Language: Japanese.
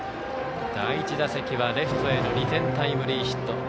第１打席はレフトへの２点タイムリーヒット。